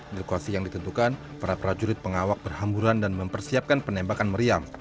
di lokasi yang ditentukan para prajurit pengawak berhamburan dan mempersiapkan penembakan meriam